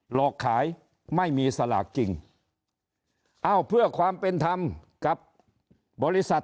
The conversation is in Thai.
หลอกขายไม่มีสลากจริงเอ้าเพื่อความเป็นธรรมกับบริษัท